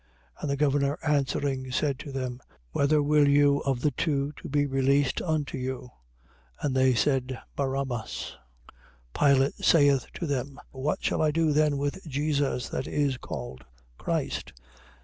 27:21. And the governor answering, said to them: Whether will you of the two to be released unto you? But they said: Barabbas. 27:22. Pilate saith to them: What shall I do then with Jesus that is called Christ?